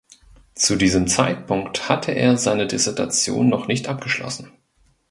Zu diesem Zeitpunkt hatte er seine Dissertation noch nicht abgeschlossen.